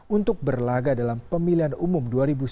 untuk berlaga dalam pemilihan umum dua ribu sembilan belas